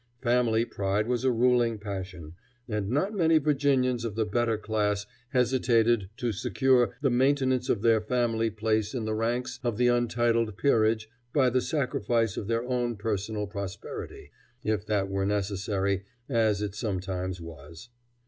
Family pride was a ruling passion, and not many Virginians of the better class hesitated to secure the maintenance of their family place in the ranks of the untitled peerage by the sacrifice of their own personal prosperity, if that were necessary, as it sometimes was.